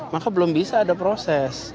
maka belum bisa ada proses